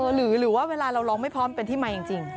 หรือว่าเวลาเราร้องไม่พร้อมเป็นที่มาจริง